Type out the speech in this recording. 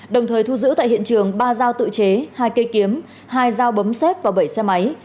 đồng thời thu giữ tại hiện trường ba dao tự chế hai cây kiếm hai dao bấm xét và bảy xe máy